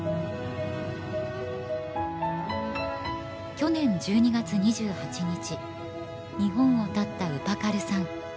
去年１２月２８日日本をたったウパカルさん